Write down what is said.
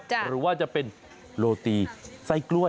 หรือว่าจะเป็นโรตีไส้กล้วย